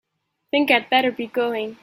Think I'd better be going.